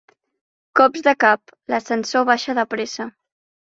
Cops de cap. L'ascensor baixa de pressa.